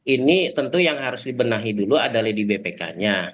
ini tentu yang harus dibenahi dulu adalah di bpk nya